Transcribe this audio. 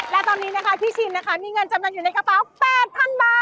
และตอนนี้นะคะพี่ชินนะคะมีเงินจำนำอยู่ในกระเป๋า๘๐๐๐บาท